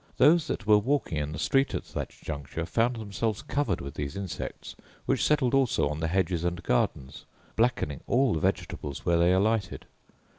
Those that were walking in the street at that juncture found themselves covered with these insects, which settled also on the hedges and gardens, blackening all the vegetables where they alighted.